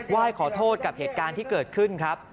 ไหว้ขอโทษกับเหตุการณ์ที่เกิดขึ้นครับ